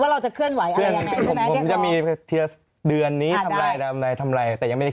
ล่วงหน้ากี่วันล่วงหน้ากี่วันตอนนี้